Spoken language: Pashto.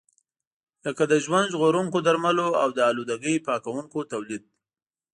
لکه د ژوند ژغورونکو درملو او د آلودګۍ پاکونکو تولید.